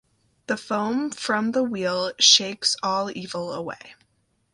The foam from the wheel shakes all evil away.